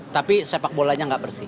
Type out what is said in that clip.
tapi sepak bolanya nggak bersih